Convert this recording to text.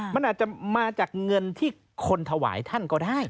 มันอาจจะมาจากเงินที่คนถวายท่านก็ได้